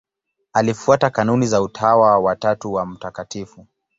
Alifuata kanuni za Utawa wa Tatu wa Mt.